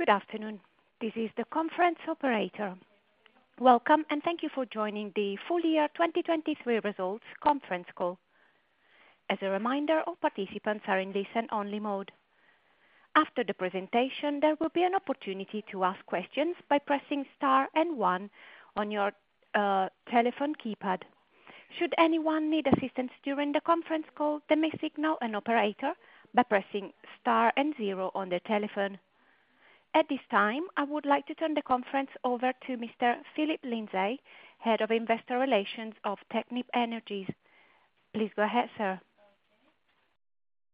Good afternoon. This is the conference operator. Welcome, and thank you for joining the full year 2023 results conference call. As a reminder, all participants are in listen-only mode. After the presentation, there will be an opportunity to ask questions by pressing star and one on your telephone keypad. Should anyone need assistance during the conference call, they may signal an operator by pressing star and zero on their telephone. At this time, I would like to turn the conference over to Mr. Phillip Lindsay, head of investor relations of Technip Energies. Please go ahead, sir.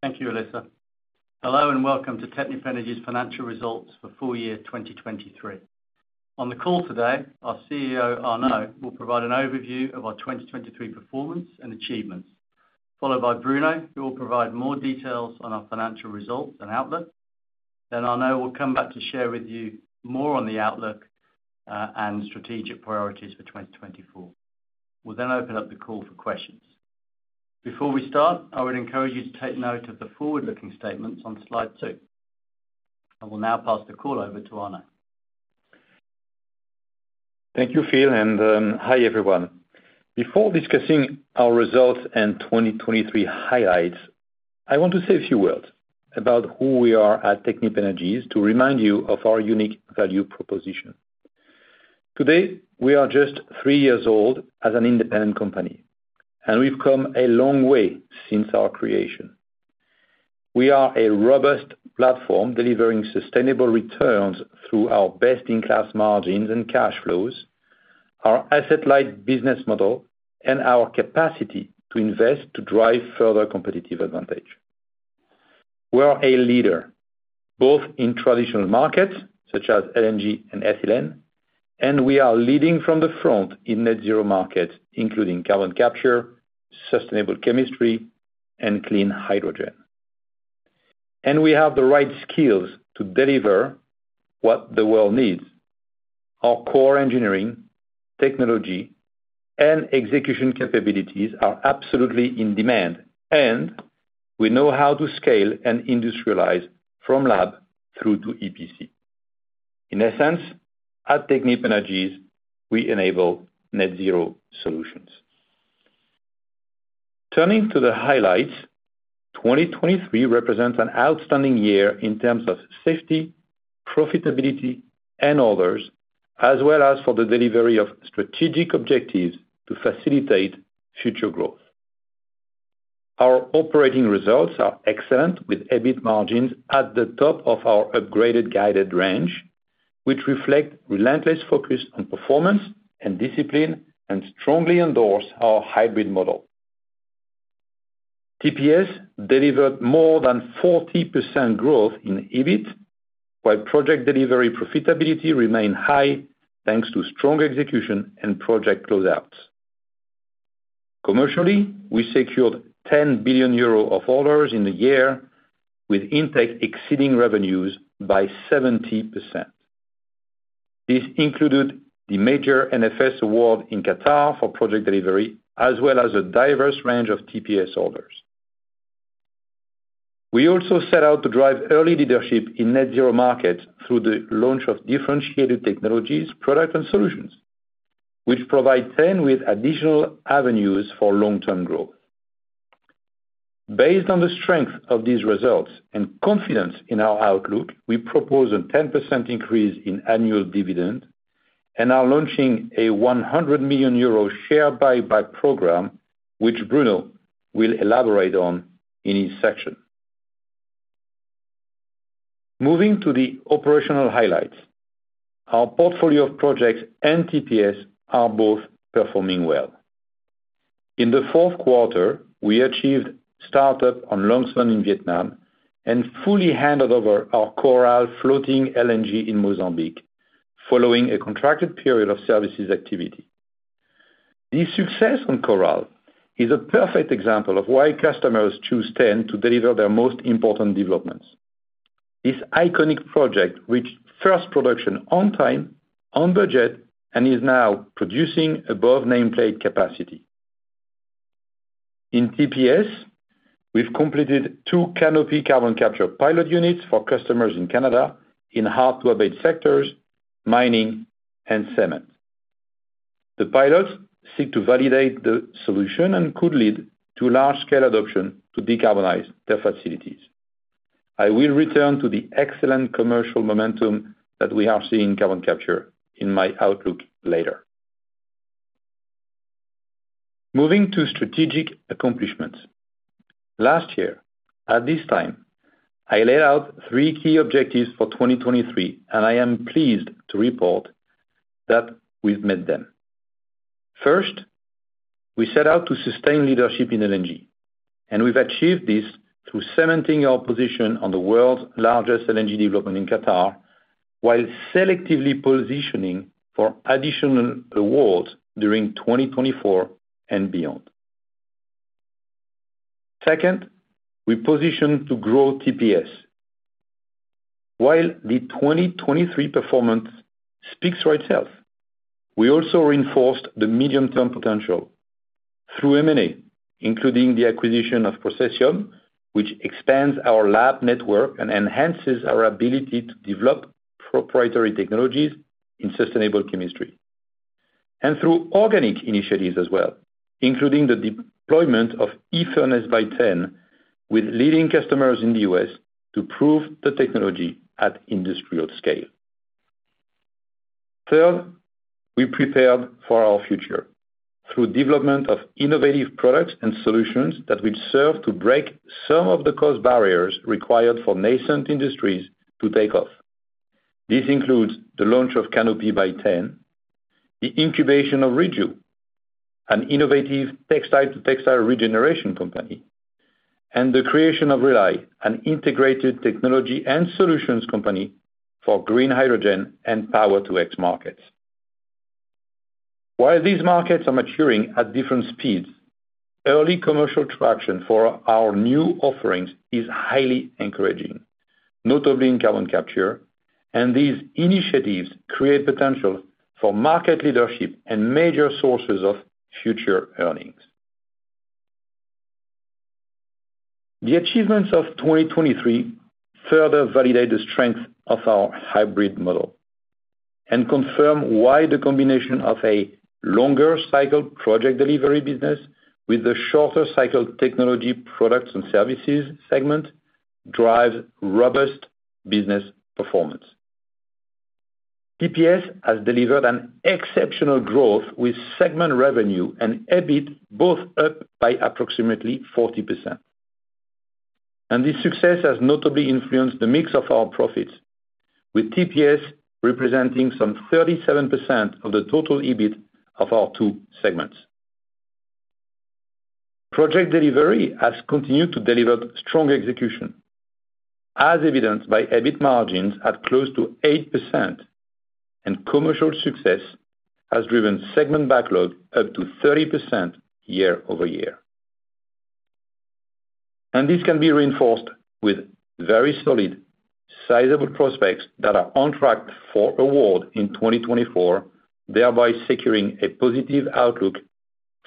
Thank you, Alessa. Hello and welcome to Technip Energies financial results for full year 2023. On the call today, our CEO, Arnaud, will provide an overview of our 2023 performance and achievements, followed by Bruno, who will provide more details on our financial results and outlook. Then Arnaud will come back to share with you more on the outlook, and strategic priorities for 2024. We'll then open up the call for questions. Before we start, I would encourage you to take note of the forward-looking statements on slide two. I will now pass the call over to Arnaud. Thank you, Phil, and hi everyone. Before discussing our results and 2023 highlights, I want to say a few words about who we are at Technip Energies to remind you of our unique value proposition. Today, we are just three years old as an independent company, and we've come a long way since our creation. We are a robust platform delivering sustainable returns through our best-in-class margins and cash flows, our asset-light business model, and our capacity to invest to drive further competitive advantage. We're a leader, both in traditional markets such as LNG and ethylene, and we are leading from the front in net-zero markets, including carbon capture, sustainable chemistry, and clean hydrogen. We have the right skills to deliver what the world needs. Our core engineering, technology, and execution capabilities are absolutely in demand, and we know how to scale and industrialize from lab through to EPC. In essence, at Technip Energies, we enable net-zero solutions. Turning to the highlights, 2023 represents an outstanding year in terms of safety, profitability, and others, as well as for the delivery of strategic objectives to facilitate future growth. Our operating results are excellent, with EBIT margins at the top of our upgraded guided range, which reflect relentless focus on performance and discipline and strongly endorse our hybrid model. TPS delivered more than 40% growth in EBIT, while project delivery profitability remained high thanks to strong execution and project closeouts. Commercially, we secured 10 billion euros of orders in the year, with intake exceeding revenues by 70%. This included the major NFS award in Qatar for project delivery, as well as a diverse range of TPS orders. We also set out to drive early leadership in net-zero markets through the launch of differentiated technologies, products, and solutions, which provide T.EN with additional avenues for long-term growth. Based on the strength of these results and confidence in our outlook, we propose a 10% increase in annual dividend and are launching a 100 million euro share buyback program, which Bruno will elaborate on in his section. Moving to the operational highlights, our portfolio of projects and TPS are both performing well. In the fourth quarter, we achieved startup on Long Son in Vietnam and fully handed over our Coral floating LNG in Mozambique, following a contracted period of services activity. This success on Coral is a perfect example of why customers choose T.EN to deliver their most important developments. This iconic project reached first production on time, on budget, and is now producing above nameplate capacity. In TPS, we've completed two Canopy carbon capture pilot units for customers in Canada in hard-to-abate sectors, mining, and cement. The pilots seek to validate the solution and could lead to large-scale adoption to decarbonize their facilities. I will return to the excellent commercial momentum that we are seeing in carbon capture in my outlook later. Moving to strategic accomplishments. Last year, at this time, I laid out three key objectives for 2023, and I am pleased to report that we've met them. First, we set out to sustain leadership in LNG, and we've achieved this through cementing our position on the world's largest LNG development in Qatar while selectively positioning for additional awards during 2024 and beyond. Second, we positioned to grow TPS. While the 2023 performance speaks for itself, we also reinforced the medium-term potential through M&A, including the acquisition of Processium, which expands our lab network and enhances our ability to develop proprietary technologies in sustainable chemistry, and through organic initiatives as well, including the deployment of eFurnace by T.EN with leading customers in the U.S. to prove the technology at industrial scale. Third, we prepared for our future through development of innovative products and solutions that will serve to break some of the cost barriers required for nascent industries to take off. This includes the launch of Canopy by T.EN, the incubation of Reju, an innovative textile-to-textile regeneration company, and the creation of Rely, an integrated technology and solutions company for green hydrogen and power-to-X markets. While these markets are maturing at different speeds, early commercial traction for our new offerings is highly encouraging, notably in carbon capture, and these initiatives create potential for market leadership and major sources of future earnings. The achievements of 2023 further validate the strength of our hybrid model and confirm why the combination of a longer-cycle Project Delivery business with the shorter-cycle technology products and services segment drives robust business performance. TPS has delivered an exceptional growth with segment revenue and EBIT both up by approximately 40%. This success has notably influenced the mix of our profits, with TPS representing some 37% of the total EBIT of our two segments. Project Delivery has continued to deliver strong execution, as evidenced by EBIT margins at close to 8%, and commercial success has driven segment backlog up 30% year-over-year. This can be reinforced with very solid, sizable prospects that are on track for award in 2024, thereby securing a positive outlook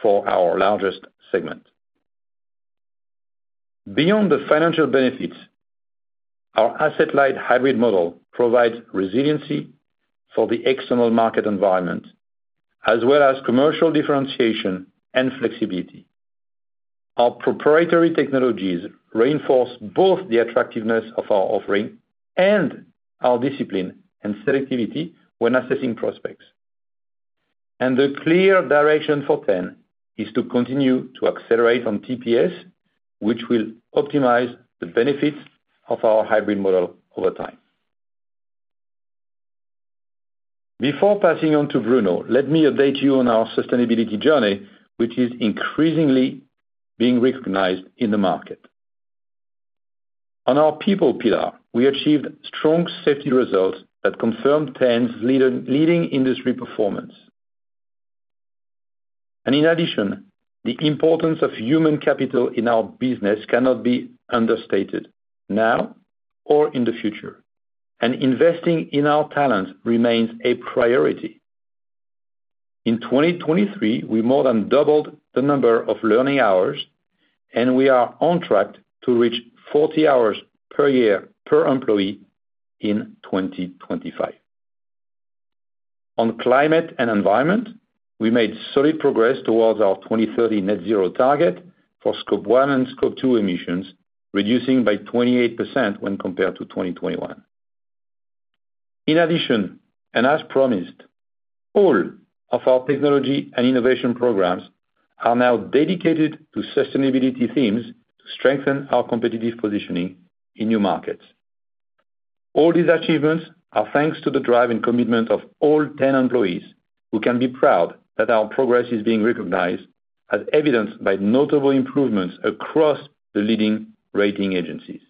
for our largest segment. Beyond the financial benefits, our asset-light hybrid model provides resiliency for the external market environment, as well as commercial differentiation and flexibility. Our proprietary technologies reinforce both the attractiveness of our offering and our discipline and selectivity when assessing prospects. The clear direction for T.EN is to continue to accelerate on TPS, which will optimize the benefits of our hybrid model over time. Before passing on to Bruno, let me update you on our sustainability journey, which is increasingly being recognized in the market. On our people pillar, we achieved strong safety results that confirmed T.EN's leading industry performance. In addition, the importance of human capital in our business cannot be understated now or in the future, and investing in our talents remains a priority. In 2023, we more than doubled the number of learning hours, and we are on track to reach 40 hours per year per employee in 2025. On climate and environment, we made solid progress towards our 2030 net-zero target for Scope One and Scope Two emissions, reducing by 28% when compared to 2021. In addition, and as promised, all of our technology and innovation programs are now dedicated to sustainability themes to strengthen our competitive positioning in new markets. All these achievements are thanks to the drive and commitment of all T.EN employees, who can be proud that our progress is being recognized, as evidenced by notable improvements across the leading rating agencies.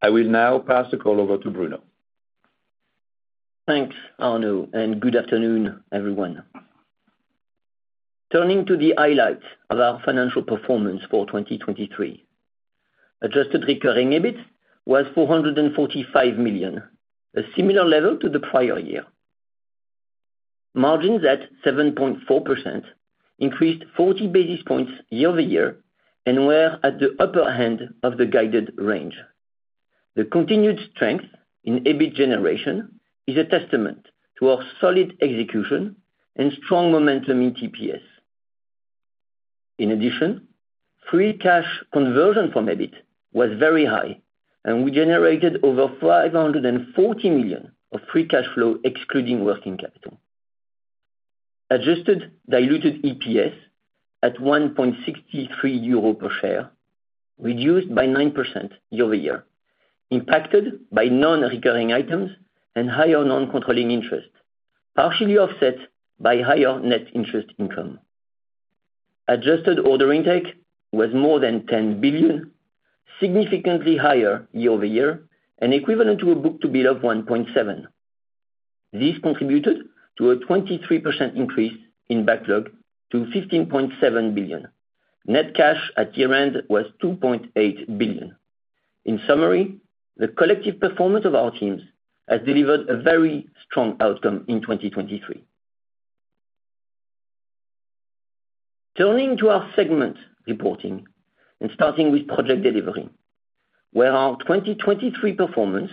I will now pass the call over to Bruno. Thanks, Arnaud, and good afternoon, everyone. Turning to the highlights of our financial performance for 2023, adjusted recurring EBIT was 445 million, a similar level to the prior year. Margins at 7.4% increased 40 basis points year-over-year and were at the upper end of the guided range. The continued strength in EBIT generation is a testament to our solid execution and strong momentum in TPS. In addition, free cash conversion from EBIT was very high, and we generated over 540 million of free cash flow excluding working capital. Adjusted diluted EPS at 1.63 euro per share, reduced by 9% year-over-year, impacted by non-recurring items and higher non-controlling interest, partially offset by higher net interest income. Adjusted order intake was more than 10 billion, significantly higher year-over-year and equivalent to a book-to-bill of 1.7. This contributed to a 23% increase in backlog to 15.7 billion. Net cash at year-end was 2.8 billion. In summary, the collective performance of our teams has delivered a very strong outcome in 2023. Turning to our segment reporting and starting with Project Delivery, where our 2023 performance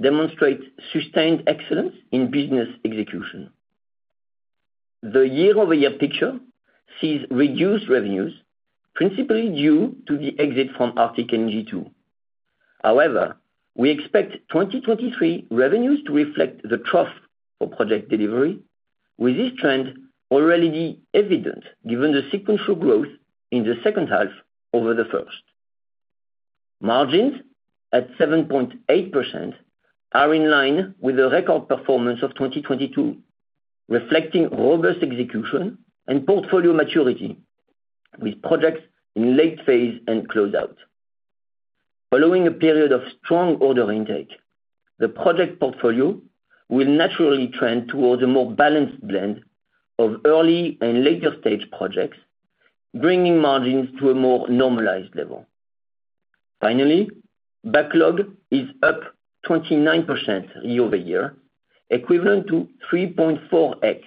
demonstrates sustained excellence in business execution. The year-over-year picture sees reduced revenues, principally due to the exit from Arctic LNG 2. However, we expect 2023 revenues to reflect the trough for Project Delivery, with this trend already evident given the sequential growth in the second half over the first. Margins at 7.8% are in line with the record performance of 2022, reflecting robust execution and portfolio maturity, with projects in late phase and closeout. Following a period of strong order intake, the project portfolio will naturally trend towards a more balanced blend of early and later-stage projects, bringing margins to a more normalized level. Finally, backlog is up 29% year-over-year, equivalent to 3.4x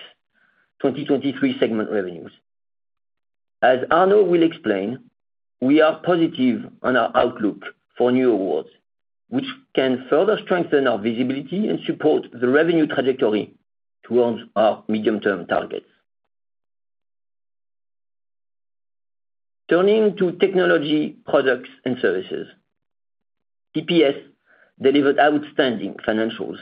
2023 segment revenues. As Arnaud will explain, we are positive on our outlook for new awards, which can further strengthen our visibility and support the revenue trajectory towards our medium-term targets. Turning to technology, products, and services, TPS delivered outstanding financials,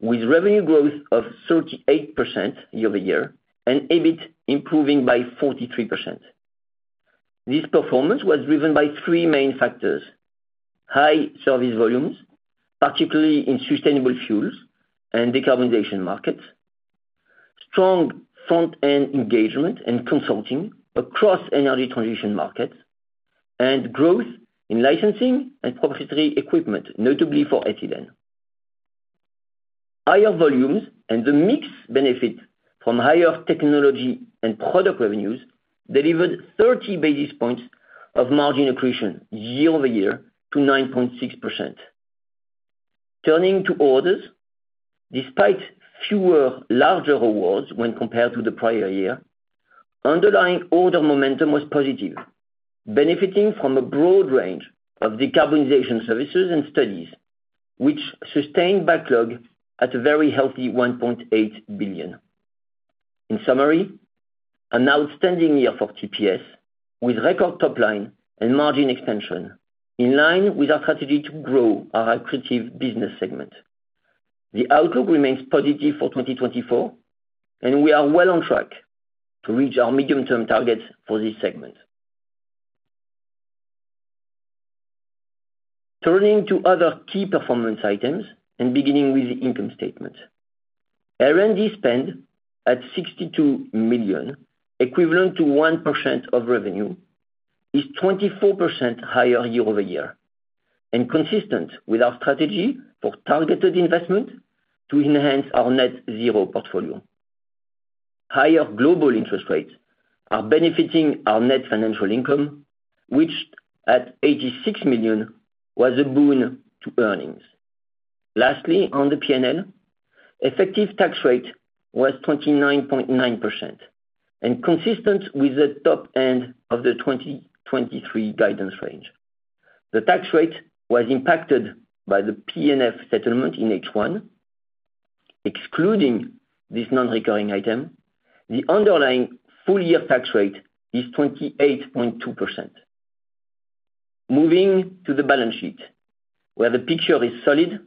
with revenue growth of 38% year-over-year and EBIT improving by 43%. This performance was driven by three main factors: high service volumes, particularly in sustainable fuels and decarbonization markets, strong front-end engagement and consulting across energy transition markets, and growth in licensing and proprietary equipment, notably for ethylene. Higher volumes and the mixed benefit from higher technology and product revenues delivered 30 basis points of margin accretion year-over-year to 9.6%. Turning to orders, despite fewer larger awards when compared to the prior year, underlying order momentum was positive, benefiting from a broad range of decarbonization services and studies, which sustained backlog at a very healthy 1.8 billion. In summary, an outstanding year for TPS, with record topline and margin expansion, in line with our strategy to grow our accretive business segment. The outlook remains positive for 2024, and we are well on track to reach our medium-term targets for this segment. Turning to other key performance items and beginning with the income statement, R&D spend at 62 million, equivalent to 1% of revenue, is 24% higher year-over-year and consistent with our strategy for targeted investment to enhance our net-zero portfolio. Higher global interest rates are benefiting our net financial income, which at 86 million was a boon to earnings. Lastly, on the P&L, effective tax rate was 29.9% and consistent with the top end of the 2023 guidance range. The tax rate was impacted by the PNF settlement in H1. Excluding this non-recurring item, the underlying full-year tax rate is 28.2%. Moving to the balance sheet, where the picture is solid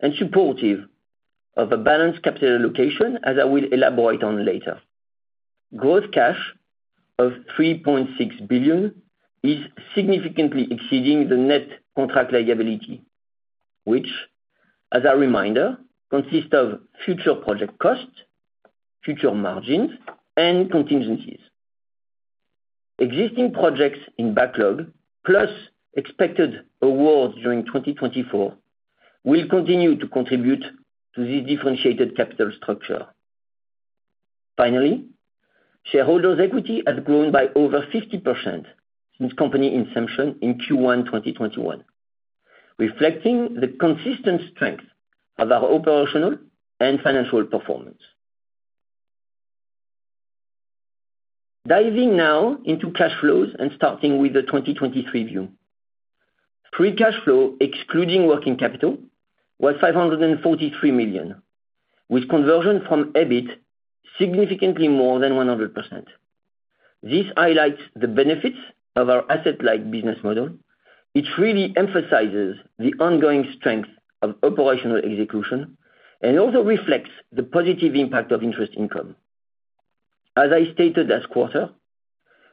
and supportive of a balanced capital allocation, as I will elaborate on later, growth cash of 3.6 billion is significantly exceeding the net contract liability, which, as a reminder, consists of future project costs, future margins, and contingencies. Existing projects in backlog plus expected awards during 2024 will continue to contribute to this differentiated capital structure. Finally, shareholders' equity has grown by over 50% since company inception in Q1 2021, reflecting the consistent strength of our operational and financial performance. Diving now into cash flows and starting with the 2023 view, free cash flow excluding working capital was 543 million, with conversion from EBIT significantly more than 100%. This highlights the benefits of our asset-like business model. It really emphasizes the ongoing strength of operational execution and also reflects the positive impact of interest income. As I stated last quarter,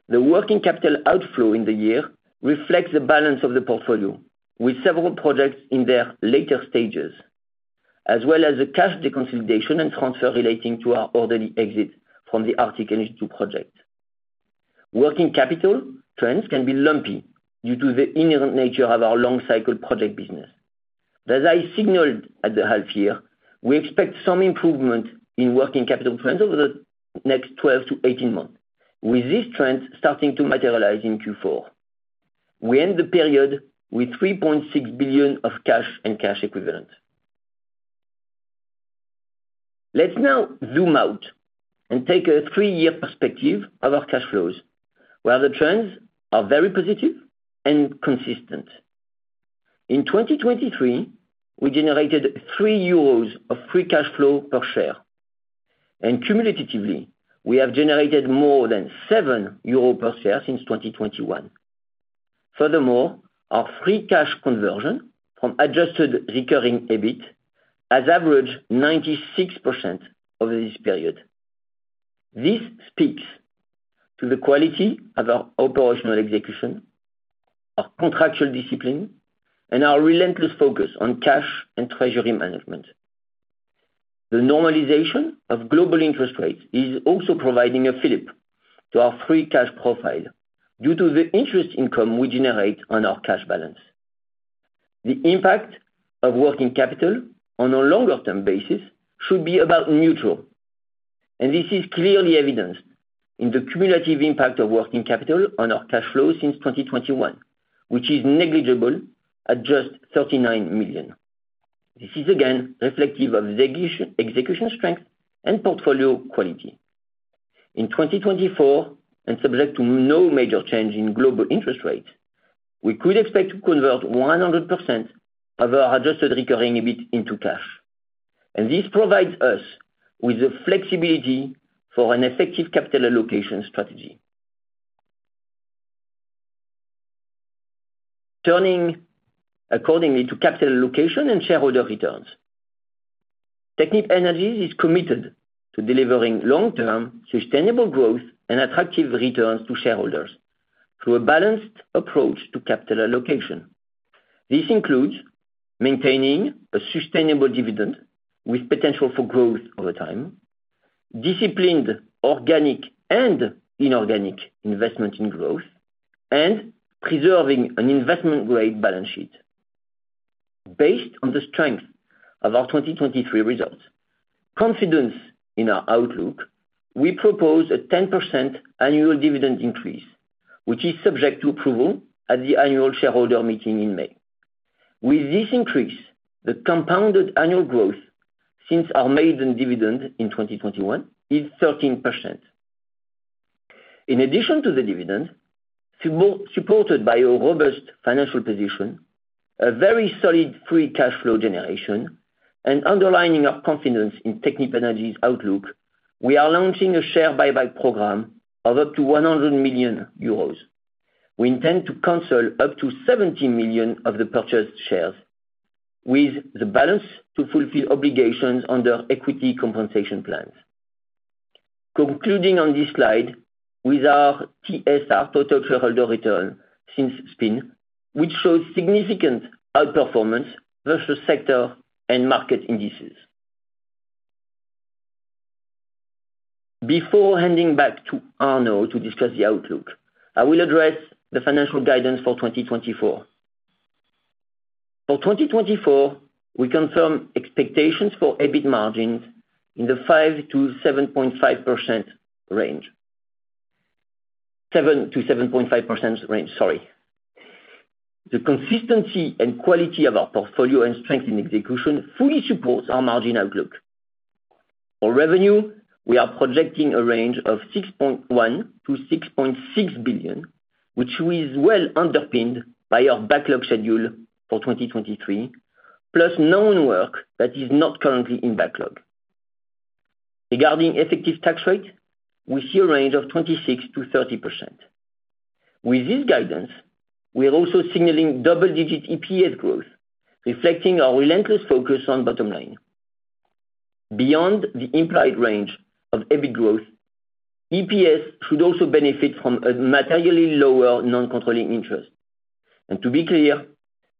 the working capital outflow in the year reflects the balance of the portfolio, with several projects in their later stages, as well as the cash deconsolidation and transfer relating to our orderly exit from the Arctic LNG 2 project. Working capital trends can be lumpy due to the inherent nature of our long-cycle project business. But as I signaled at the half-year, we expect some improvement in working capital trends over the next 12-18 months, with these trends starting to materialize in Q4. We end the period with 3.6 billion of cash and cash equivalent. Let's now zoom out and take a three-year perspective of our cash flows, where the trends are very positive and consistent. In 2023, we generated 3 euros of free cash flow per share, and cumulatively, we have generated more than 7 euro per share since 2021. Furthermore, our free cash conversion from adjusted recurring EBIT has averaged 96% over this period. This speaks to the quality of our operational execution, our contractual discipline, and our relentless focus on cash and treasury management. The normalization of global interest rates is also providing a flip to our free cash profile due to the interest income we generate on our cash balance. The impact of working capital on a longer-term basis should be about neutral, and this is clearly evidenced in the cumulative impact of working capital on our cash flows since 2021, which is negligible at just 39 million. This is again reflective of execution strength and portfolio quality. In 2024, and subject to no major change in global interest rates, we could expect to convert 100% of our adjusted recurring EBIT into cash, and this provides us with the flexibility for an effective capital allocation strategy. Turning accordingly to capital allocation and shareholder returns, Technip Energies is committed to delivering long-term sustainable growth and attractive returns to shareholders through a balanced approach to capital allocation. This includes maintaining a sustainable dividend with potential for growth over time, disciplined organic and inorganic investment in growth, and preserving an investment-grade balance sheet. Based on the strength of our 2023 results, confidence in our outlook, we propose a 10% annual dividend increase, which is subject to approval at the annual shareholder meeting in May. With this increase, the compounded annual growth since our maiden dividend in 2021 is 13%. In addition to the dividend, supported by a robust financial position, a very solid free cash flow generation, and underlining our confidence in Technip Energies' outlook, we are launching a share buyback program of up to 100 million euros. We intend to consolidate up to 70 million of the purchased shares with the balance to fulfill obligations under equity compensation plans. Concluding on this slide with our TSR total shareholder return since spin, which shows significant outperformance versus sector and market indices. Before handing back to Arnaud to discuss the outlook, I will address the financial guidance for 2024. For 2024, we confirm expectations for EBIT margins in the 7%-7.5% range. Sorry. The consistency and quality of our portfolio and strength in execution fully support our margin outlook. For revenue, we are projecting a range of €6.1-€6.6 billion, which is well underpinned by our backlog schedule for 2023, plus known work that is not currently in backlog. Regarding effective tax rate, we see a range of 26%-30%. With this guidance, we are also signaling double-digit EPS growth, reflecting our relentless focus on bottom line. Beyond the implied range of EBIT growth, EPS should also benefit from a materially lower non-controlling interest. To be clear,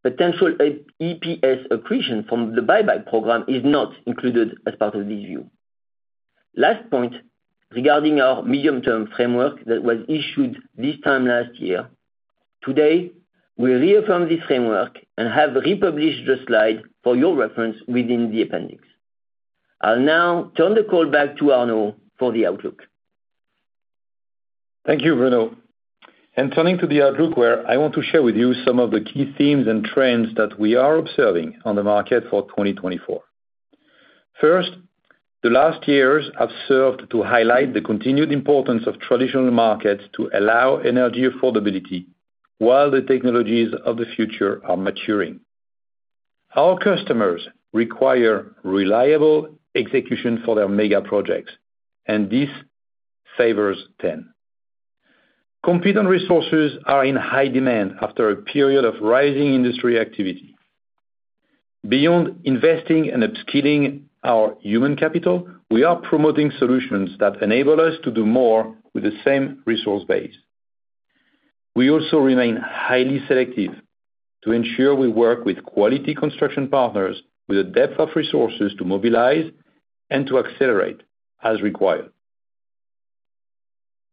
potential EPS accretion from the buyback program is not included as part of this view. Last point, regarding our medium-term framework that was issued this time last year, today, we reaffirm this framework and have republished the slide for your reference within the appendix. I'll now turn the call back to Arnaud for the outlook. Thank you, Bruno. Turning to the outlook, where I want to share with you some of the key themes and trends that we are observing on the market for 2024. First, the last years have served to highlight the continued importance of traditional markets to allow energy affordability while the technologies of the future are maturing. Our customers require reliable execution for their mega projects, and this favors them. Competent resources are in high demand after a period of rising industry activity. Beyond investing and upskilling our human capital, we are promoting solutions that enable us to do more with the same resource base. We also remain highly selective to ensure we work with quality construction partners with a depth of resources to mobilize and to accelerate as required.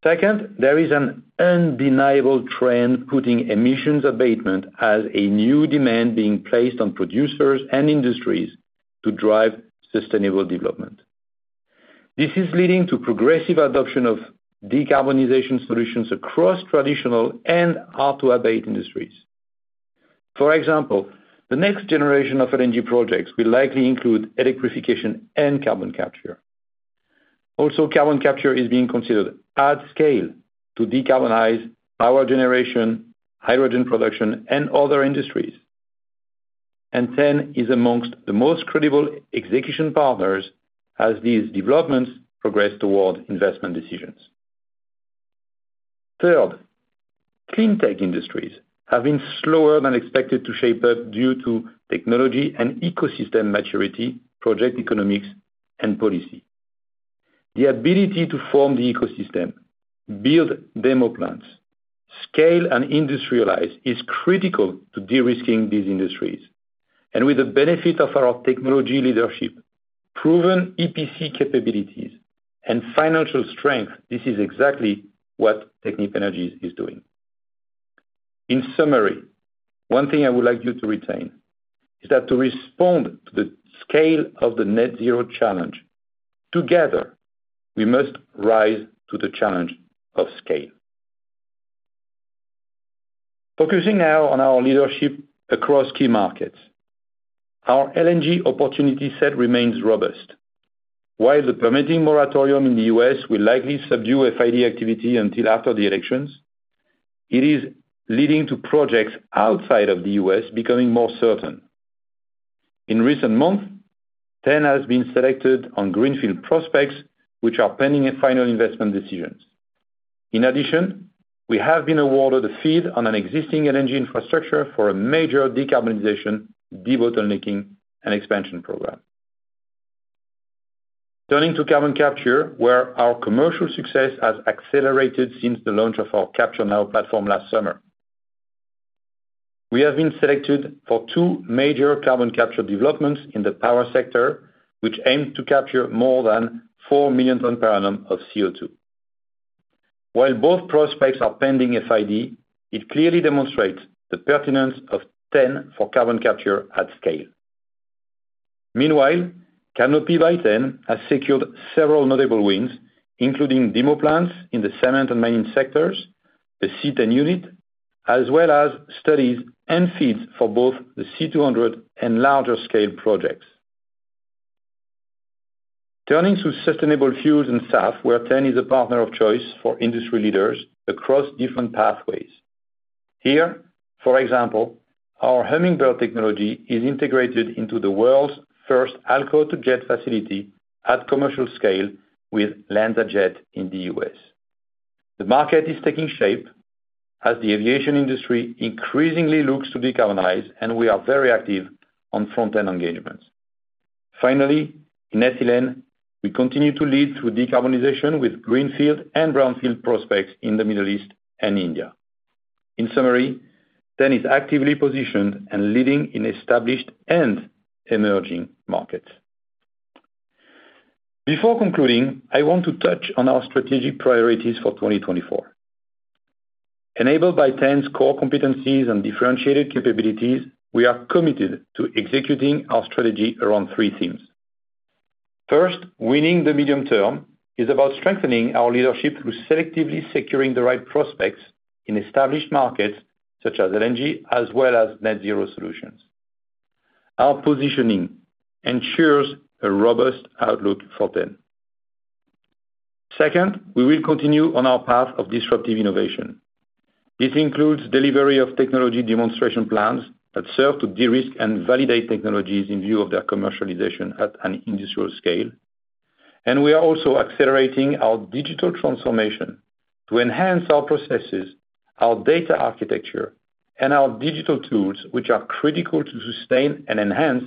Second, there is an undeniable trend putting emissions abatement as a new demand being placed on producers and industries to drive sustainable development. This is leading to progressive adoption of decarbonization solutions across traditional and hard-to-abate industries. For example, the next generation of LNG projects will likely include electrification and carbon capture. Also, carbon capture is being considered at scale to decarbonize power generation, hydrogen production, and other industries. And T.EN is amongst the most credible execution partners as these developments progress toward investment decisions. Third, clean tech industries have been slower than expected to shape up due to technology and ecosystem maturity, project economics, and policy. The ability to form the ecosystem, build demo plants, scale, and industrialize is critical to de-risking these industries. And with the benefit of our technology leadership, proven EPC capabilities, and financial strength, this is exactly what Technip Energies is doing. In summary, one thing I would like you to retain is that to respond to the scale of the net-zero challenge, together, we must rise to the challenge of scale. Focusing now on our leadership across key markets, our LNG opportunity set remains robust. While the permitting moratorium in the U.S. will likely subdue FID activity until after the elections, it is leading to projects outside of the U.S. becoming more certain. In recent months, T.EN has been selected on Greenfield prospects, which are pending final investment decisions. In addition, we have been awarded a FEED on an existing LNG infrastructure for a major decarbonization, de-bottlenecking, and expansion program. Turning to carbon capture, where our commercial success has accelerated since the launch of our Capture.Now platform last summer, we have been selected for 2 major carbon capture developments in the power sector, which aim to capture more than 4 million tonnes per annum of CO2. While both prospects are pending FID, it clearly demonstrates the pertinence of T.EN for carbon capture at scale. Meanwhile, Canopy by T.EN has secured several notable wins, including demo plants in the cement and mining sectors, the C10 unit, as well as studies and FEEDs for both the C200 and larger-scale projects. Turning to sustainable fuels and SAF, where T.EN is a partner of choice for industry leaders across different pathways. Here, for example, our Hummingbird technology is integrated into the world's first Alcohol-to-Jet facility at commercial scale with LanzaJet in the US. The market is taking shape as the aviation industry increasingly looks to decarbonize, and we are very active on front-end engagements. Finally, in Ethylene, we continue to lead through decarbonization with Greenfield and Brownfield prospects in the Middle East and India. In summary, T.EN is actively positioned and leading in established and emerging markets. Before concluding, I want to touch on our strategic priorities for 2024. Enabled by T.EN's core competencies and differentiated capabilities, we are committed to executing our strategy around three themes. First, winning the medium term is about strengthening our leadership through selectively securing the right prospects in established markets such as LNG as well as net-zero solutions. Our positioning ensures a robust outlook for T.EN. Second, we will continue on our path of disruptive innovation. This includes delivery of technology demonstration plans that serve to de-risk and validate technologies in view of their commercialization at an industrial scale. We are also accelerating our digital transformation to enhance our processes, our data architecture, and our digital tools, which are critical to sustain and enhance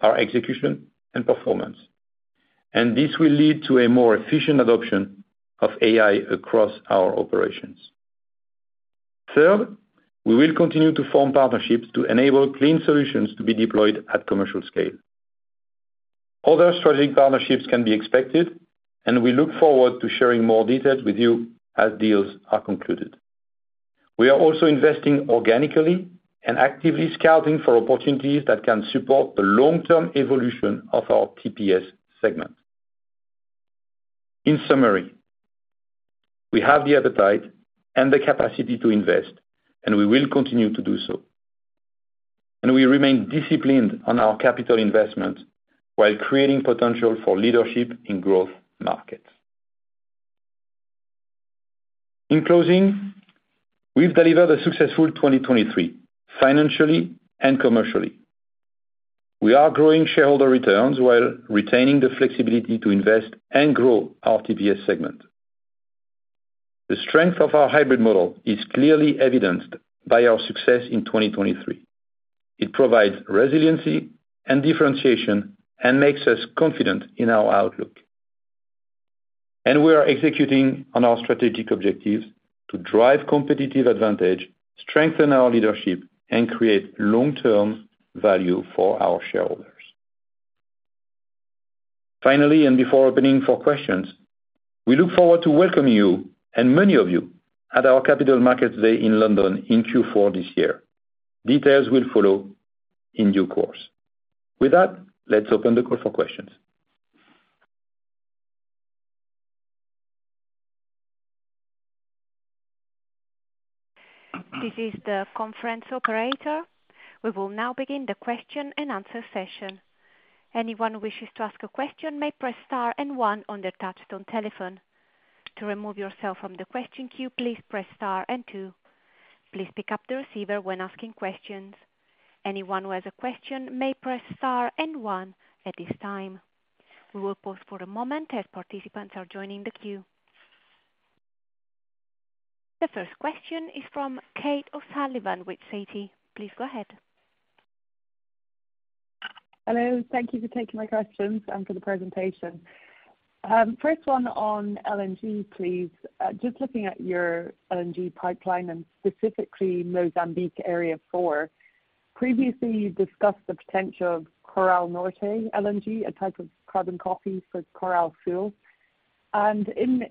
our execution and performance. This will lead to a more efficient adoption of AI across our operations. Third, we will continue to form partnerships to enable clean solutions to be deployed at commercial scale. Other strategic partnerships can be expected, and we look forward to sharing more details with you as deals are concluded. We are also investing organically and actively scouting for opportunities that can support the long-term evolution of our TPS segment. In summary, we have the appetite and the capacity to invest, and we will continue to do so. We remain disciplined on our capital investments while creating potential for leadership in growth markets. In closing, we've delivered a successful 2023 financially and commercially. We are growing shareholder returns while retaining the flexibility to invest and grow our TPS segment. The strength of our hybrid model is clearly evidenced by our success in 2023. It provides resiliency and differentiation and makes us confident in our outlook. We are executing on our strategic objectives to drive competitive advantage, strengthen our leadership, and create long-term value for our shareholders. Finally, and before opening for questions, we look forward to welcoming you and many of you at our Capital Markets Day in London in Q4 this year. Details will follow in due course. With that, let's open the call for questions. This is the conference operator. We will now begin the question and answer session. Anyone who wishes to ask a question may press star and one on their touch-tone telephone. To remove yourself from the question queue, please press star and two. Please pick up the receiver when asking questions. Anyone who has a question may press star and one at this time. We will pause for a moment as participants are joining the queue. The first question is from Kate O'Sullivan with Citi. Please go ahead. Hello. Thank you for taking my questions and for the presentation. First one on LNG, please. Just looking at your LNG pipeline and specifically Mozambique Area 4, previously, you discussed the potential of Coral Norte LNG, a type of carbon copy for Coral FLNG.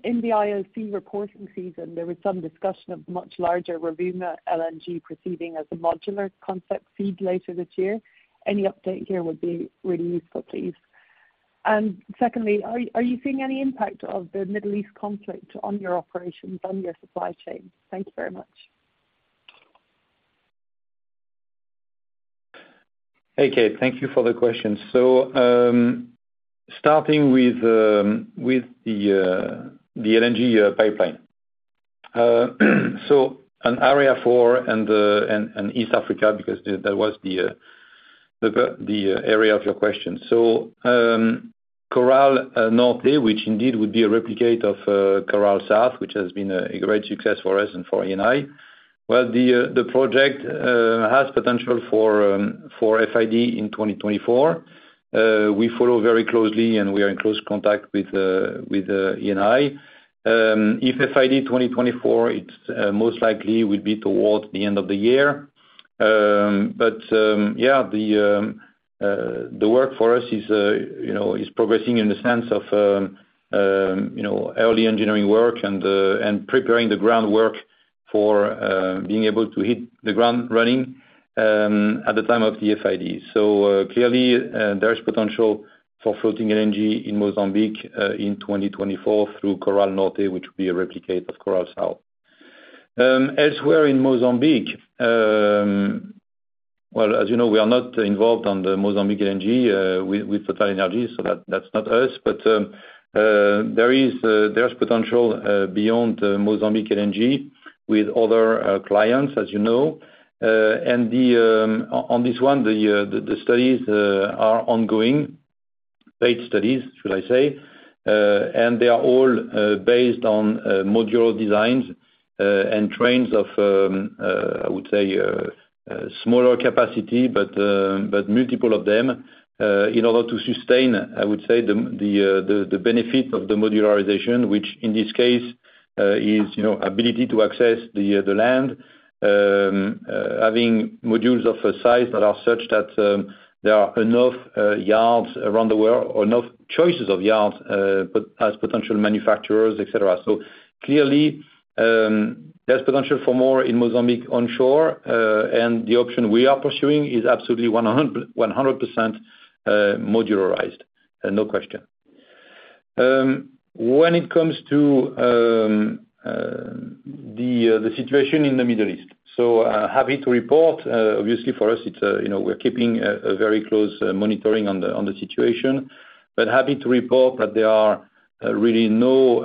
In the IOC reporting season, there was some discussion of much larger Rovuma LNG proceeding as a modular concept FEED later this year. Any update here would be really useful, please. Secondly, are you seeing any impact of the Middle East conflict on your operations, on your supply chain? Thank you very much. Hey, Kate. Thank you for the question. So starting with the LNG pipeline, so on Area 4 and East Africa because that was the area of your question. So Coral Norte, which indeed would be a replicate of Coral South, which has been a great success for us and for Eni. Well, the project has potential for FID in 2024. We follow very closely, and we are in close contact with Eni. If FID 2024, it most likely will be towards the end of the year. But yeah, the work for us is progressing in the sense of early engineering work and preparing the groundwork for being able to hit the ground running at the time of the FID. So clearly, there is potential for floating LNG in Mozambique in 2024 through Coral Norte, which would be a replicate of Coral South. Elsewhere in Mozambique, well, as you know, we are not involved on the Mozambique LNG with TotalEnergies, so that's not us. But there is potential beyond Mozambique LNG with other clients, as you know. And on this one, the studies are ongoing, paid studies, should I say. And they are all based on modular designs and trains of, I would say, smaller capacity, but multiple of them in order to sustain, I would say, the benefit of the modularization, which in this case is ability to access the land, having modules of a size that are such that there are enough yards around the world, enough choices of yards as potential manufacturers, etc. So clearly, there's potential for more in Mozambique onshore. And the option we are pursuing is absolutely 100% modularized, no question. When it comes to the situation in the Middle East, so happy to report. Obviously, for us, we're keeping a very close monitoring on the situation, but happy to report that there are really no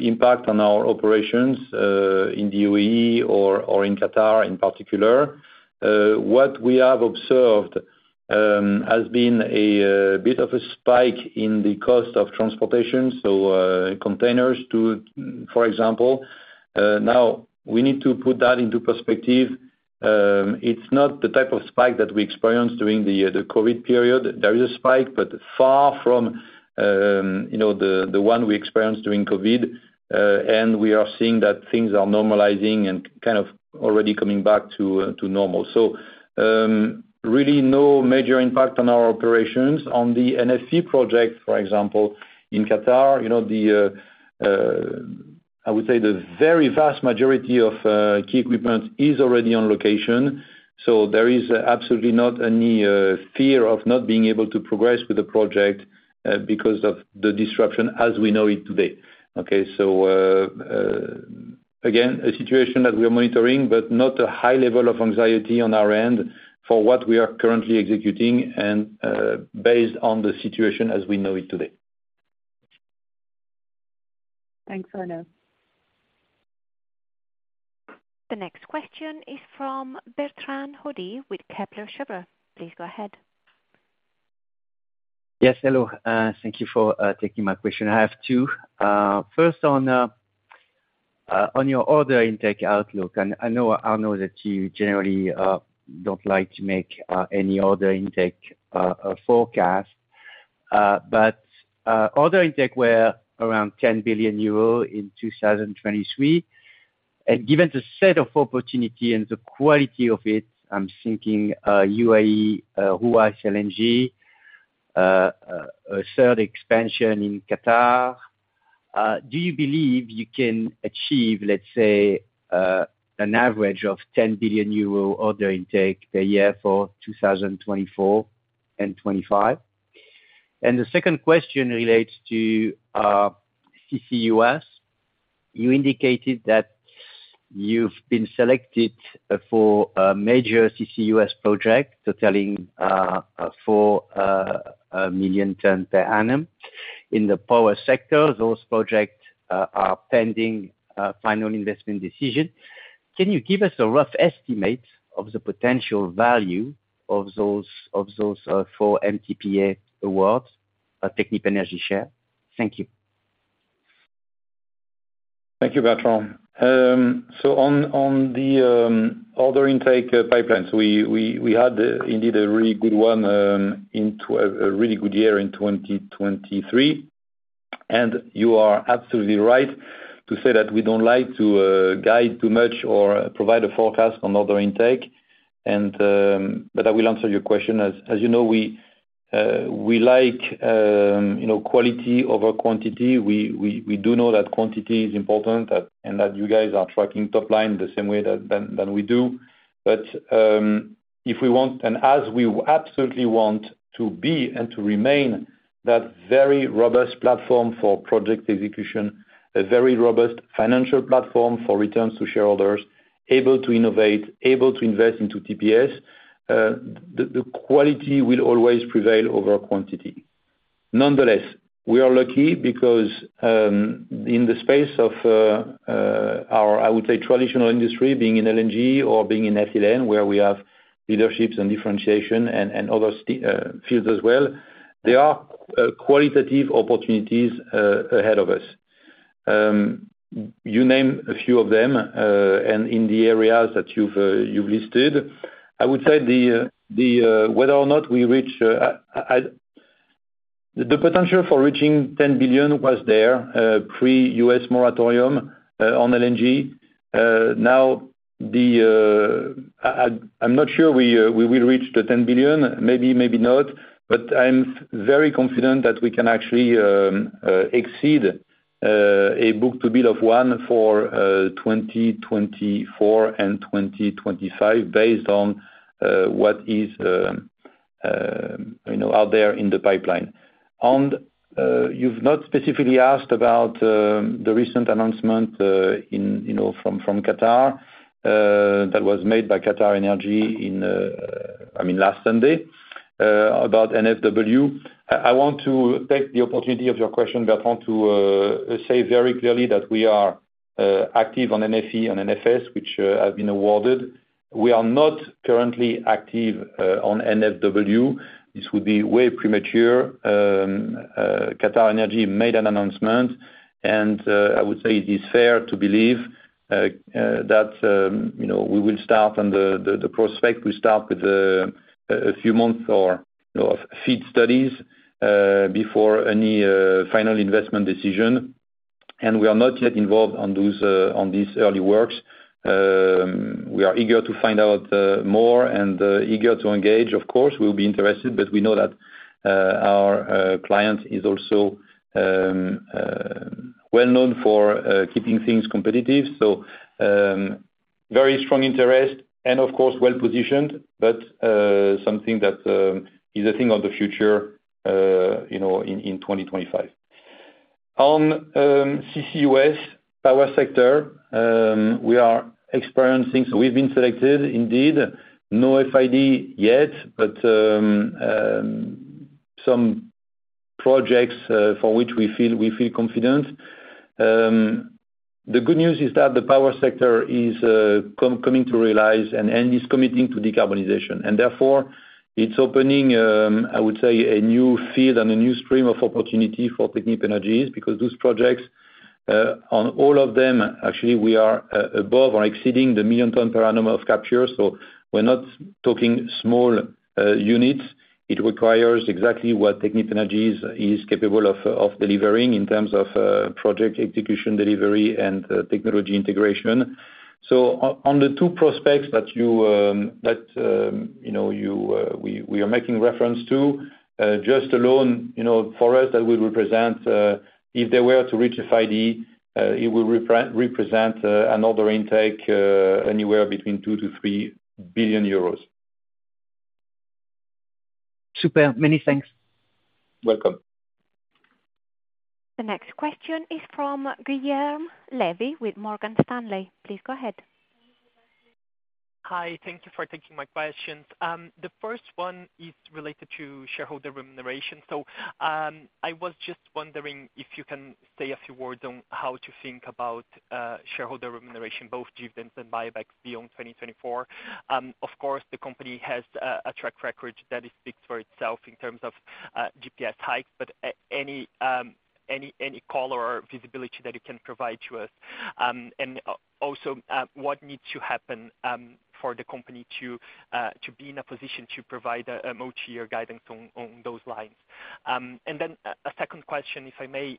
impact on our operations in the UAE or in Qatar in particular. What we have observed has been a bit of a spike in the cost of transportation, so containers to, for example. Now, we need to put that into perspective. It's not the type of spike that we experienced during the COVID period. There is a spike, but far from the one we experienced during COVID. And we are seeing that things are normalizing and kind of already coming back to normal. So really no major impact on our operations. On the NFE project, for example, in Qatar, I would say the very vast majority of key equipment is already on location. There is absolutely not any fear of not being able to progress with the project because of the disruption as we know it today. Okay? Again, a situation that we are monitoring, but not a high level of anxiety on our end for what we are currently executing and based on the situation as we know it today. Thanks, Arno. The next question is from Bertrand Hodee with Kepler Cheuvreux. Please go ahead. Yes. Hello. Thank you for taking my question. I have two. First, on your order intake outlook. And I know, Arno, that you generally don't like to make any order intake forecast. But order intake were around 10 billion euro in 2023. And given the set of opportunity and the quality of it, I'm thinking UAE, Ruwais LNG, a third expansion in Qatar. Do you believe you can achieve, let's say, an average of 10 billion euro order intake per year for 2024 and 2025? And the second question relates to CCUS. You indicated that you've been selected for a major CCUS project, totaling 4 million tonnes per annum in the power sector. Those projects are pending final investment decision. Can you give us a rough estimate of the potential value of those 4 MTPA awards, Technip Energies share? Thank you. Thank you, Bertrand. So on the order intake pipelines, we had indeed a really good one into a really good year in 2023. And you are absolutely right to say that we don't like to guide too much or provide a forecast on order intake. But I will answer your question. As you know, we like quality over quantity. We do know that quantity is important and that you guys are tracking top line the same way that we do. But if we want and as we absolutely want to be and to remain, that very robust platform for project execution, a very robust financial platform for returns to shareholders, able to innovate, able to invest into TPS, the quality will always prevail over quantity. Nonetheless, we are lucky because in the space of our, I would say, traditional industry, being in LNG or being in ethylene, where we have leaderships and differentiation and other fields as well, there are qualitative opportunities ahead of us. You name a few of them. In the areas that you've listed, I would say whether or not we reach the potential for reaching 10 billion was there pre-U.S. moratorium on LNG. Now, I'm not sure we will reach the 10 billion. Maybe, maybe not. But I'm very confident that we can actually exceed a book-to-bill of one for 2024 and 2025 based on what is out there in the pipeline. You've not specifically asked about the recent announcement from Qatar that was made by QatarEnergy, I mean, last Sunday about NFW. I want to take the opportunity of your question, Bertrand, to say very clearly that we are active on NFE and NFS, which have been awarded. We are not currently active on NFW. This would be way premature. QatarEnergy made an announcement. I would say it is fair to believe that we will start on the prospect. We start with a few months of FEED studies before any final investment decision. We are not yet involved on these early works. We are eager to find out more and eager to engage. Of course, we'll be interested. But we know that our client is also well known for keeping things competitive. So very strong interest and, of course, well positioned, but something that is a thing of the future in 2025. On CCUS power sector, we are experiencing so we've been selected indeed. No FID yet, but some projects for which we feel confident. The good news is that the power sector is coming to realize and is committing to decarbonization. Therefore, it's opening, I would say, a new field and a new stream of opportunity for Technip Energies because those projects, on all of them, actually, we are above or exceeding the 1 million-tonne per annum of capture. So we're not talking small units. It requires exactly what Technip Energies is capable of delivering in terms of project execution, delivery, and technology integration. So on the two prospects that we are making reference to, just alone for us, that would represent if they were to reach FID, it would represent an order intake anywhere between 2 billion-3 billion euros. Super. Many thanks. Welcome. The next question is from Guilherme Levy with Morgan Stanley. Please go ahead. Hi. Thank you for taking my questions. The first one is related to shareholder remuneration. I was just wondering if you can say a few words on how to think about shareholder remuneration, both dividends and buybacks beyond 2024. Of course, the company has a track record that speaks for itself in terms of DPS hikes, but any clearer visibility that you can provide to us. And also, what needs to happen for the company to be in a position to provide multi-year guidance on those lines? And then a second question, if I may,